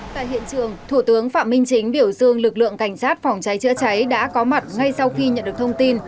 tại hiện trường thủ tướng phạm minh chính biểu dương lực lượng cảnh sát phòng cháy chữa cháy đã có mặt ngay sau khi nhận được thông tin